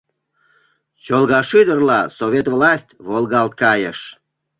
Чолгашӱдырла Совет власть волгалт кайыш.